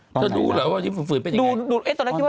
จะดูเหรอว่ายิ้มฟืนเป็นอย่างไร